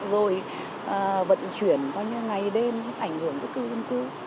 rồi vận chuyển bao nhiêu ngày đêm ảnh hưởng tới cư dân cư